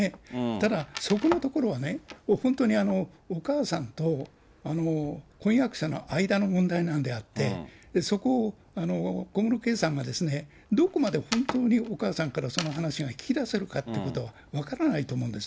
ただ、そこのところはね、本当にお母さんと婚約者の間の問題なんであって、そこを小室圭さんがどこまで本当にお母さんからその話が聞きだせるかということを分からないと思うんです。